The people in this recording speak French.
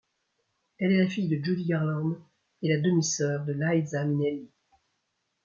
Elle est la fille de Judy Garland et la demi-sœur de Liza Minnelli.